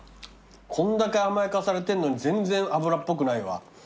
こんだけ甘やかされてんのに全然油っぽくないわ。